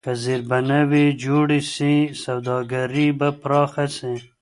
که زیربناوي جوړي سي سوداګري به پراخه سي.